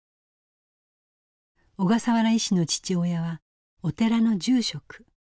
小笠原医師の父親はお寺の住職。